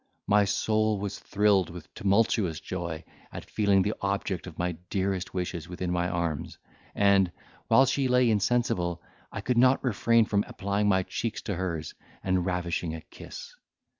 My soul was thrilled with tumultuous joy, at feeling the object of my dearest wishes within my arms; and, while she lay insensible, I could not refrain from applying my cheeks to hers, and ravishing a kiss.